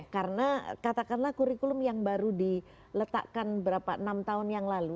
karena katakanlah kurikulum yang baru diletakkan berapa enam tahun yang lalu